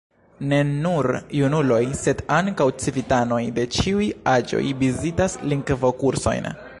Ne nur junuloj, sed ankaŭ civitanoj de ĉiuj aĝoj vizitas lingvokursojn.